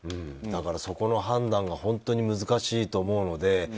だから、そこの判断が本当に難しいと思うので。